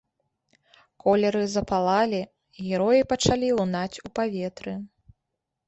Колеры запалалі, героі пачалі лунаць у паветры.